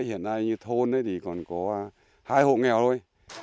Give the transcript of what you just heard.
hiện nay thôn còn có hai hộ nghèo thôi